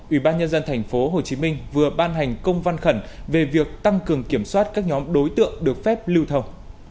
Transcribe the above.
ủy ban nhân dân tp hcm vừa ban hành công văn khẩn về việc tăng cường kiểm soát các nhóm đối tượng được phép lưu thông